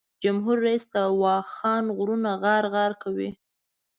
جمهور رییس د واخان غرونه غار غار کوي.